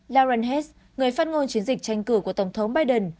lauren hess người phát ngôn chiến dịch tranh cử của tổng thống biden